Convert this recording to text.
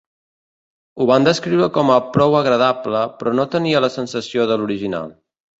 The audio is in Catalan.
Ho van descriure com a "prou agradable", però no tenia la sensació de l'original.